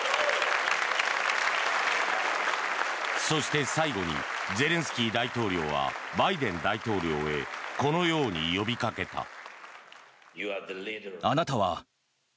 そして最後にゼレンスキー大統領はバイデン大統領へこのように呼びかけた。